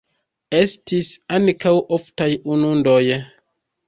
Estis ankaŭ oftaj inundoj.